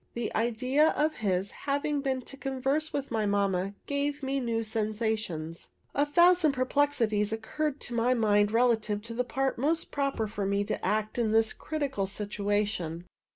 The idea of his having been to converse with my mamma gave me new sensations. A thousand perplexities occurred to my mind relative to the part most proper for me to act in this critical situation.